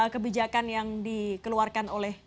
kebijakan yang dikeluarkan oleh